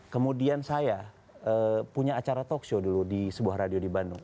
kemudian saya punya acara talkshow dulu di sebuah radio di bandung